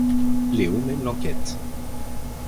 Léo mène l'enquête...